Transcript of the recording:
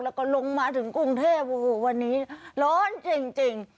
แล้วก็ลงมาถึงกรุงเทพโอ้โหวันนี้ร้อนจริง